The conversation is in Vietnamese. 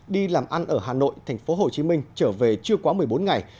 đi làm ăn ở hà nội tp hcm trở về chưa quá một mươi bốn ngày